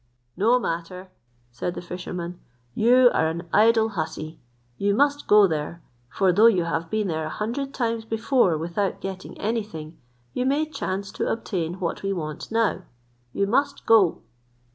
"No matter," said the fisherman, "you are an idle hussy; you must go there; for though you have been there a hundred times before without getting any thing, you may chance to obtain what we want now. You must go."